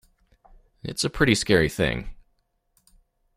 It's a pretty scary thing.